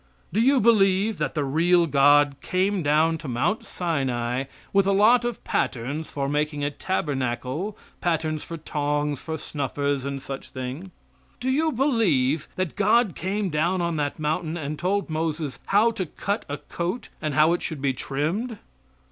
Do you believe that the real God came down to Mount Sinai with a lot of patterns for making a tabernacle patterns for tongs, for snuffers, and such things? Do you believe that God came down on that mountain and told Moses how to cut a coat, and how it should be trimmed?